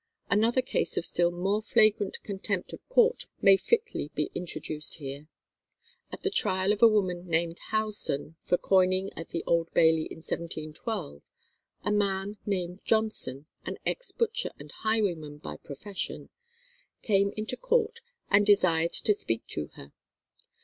Another case of still more flagrant contempt of court may fitly be introduced here. At the trial of a woman named Housden for coining at the Old Bailey in 1712, a man named Johnson, an ex butcher and highwayman by profession, came into court and desired to speak to her.